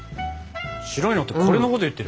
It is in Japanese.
白いのってこれのこと言ってる？